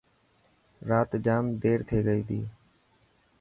رات جام دير ٿي گئي تي.